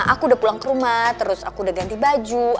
aku udah pulang ke rumah terus aku udah ganti baju